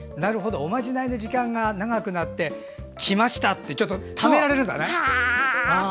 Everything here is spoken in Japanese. おまじないの時間が長くなってきました！ってためられるんだね。